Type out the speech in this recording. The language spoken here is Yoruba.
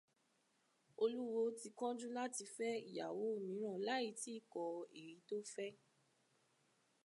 Olúwo ti kánjú láti fẹ́ ìyàwó míìràn láì tíì kọ èyí tó fẹ́